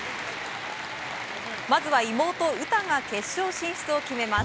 まずは妹・詩が決勝進出を決めます。